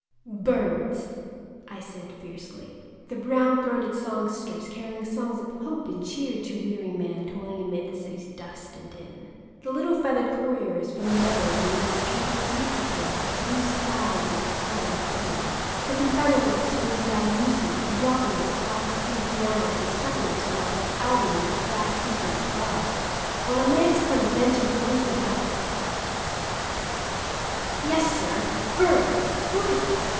"Birds," I said fiercely. "The brown throated songsters carolling songs of hope and cheer to weary man toiling amid the city's dust and din. The little feathered couriers from the meadows and woods chirping sweetly to us of blue skies and flowering fields. The confounded little squint eyed nuisances yawping like a flock of steam pianos, and stuffing themselves like aldermen with grass seeds and bugs, while a man sits on a bench and goes without his breakfast. Yes, sir, birds! look at them!"